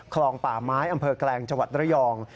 คลองป่าไม้อำเภอกแกรงจระยอง